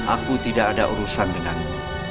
aku tidak ada urusan denganmu